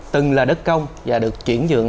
từng là đất công và được chuyển dựng